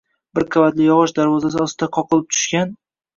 Bir qavatli yog‘och darvozasi ostida qoqilib tushgan